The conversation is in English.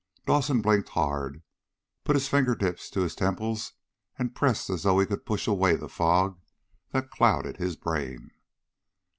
Dawson blinked hard, put his finger tips to his temples and pressed as though he could push away the fog that clouded his brain.